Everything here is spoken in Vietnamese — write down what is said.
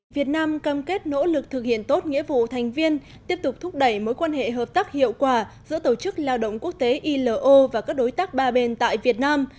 việt nam cam kết nỗ lực thực hiện tốt nghĩa vụ thành viên tiếp tục thúc đẩy mối quan hệ hợp tác hiệu quả giữa tổ chức lao động quốc tế ilo và các đối tác ba bên tại việt nam